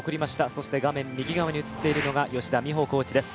そして画面右側に映っているのが吉田美保コーチです。